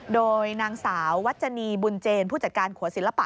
โดยนางสาววัชนีบุญเจนผู้จัดการขัวศิลปะ